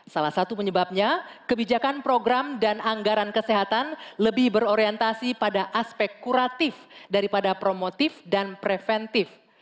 salah satu penyebabnya kebijakan program dan anggaran kesehatan lebih berorientasi pada aspek kuratif daripada promotif dan preventif